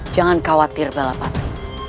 jangan khawatir balapati